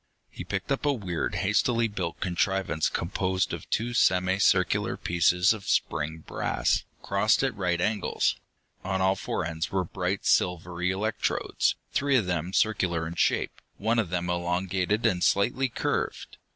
He picked up a weird, hastily built contrivance composed of two semi circular pieces of spring brass, crossed at right angles. On all four ends were bright silvery electrodes, three of them circular in shape, one of them elongated and slightly curved.